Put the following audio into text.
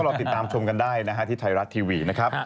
รอติดตามชมกันได้นะฮะที่ไทยรัฐทีวีนะครับ